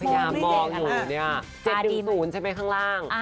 ยามมองอยู่เนี่ย๗๑๐ใช่ไหมข้างล่าง